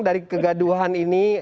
dari kegaduhan ini